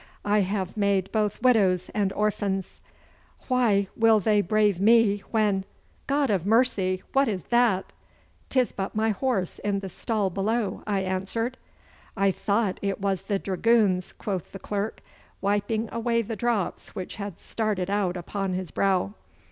I have made both widows and orphans. Why will they brave me when God of mercy, what is that?' ''Tis but my horse in the stall below,' I answered. 'I thought it was the dragoons,' quoth the clerk, wiping away the drops which had started out upon his brow.